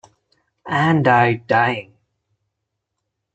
And I dying!